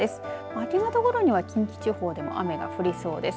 明け方ごろには近畿地方でも雨が降りそうです。